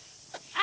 あ！